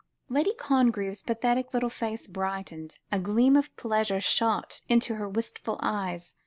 Lady Congreve's pathetic little face brightened, a gleam of pleasure shot into her wistful eyes.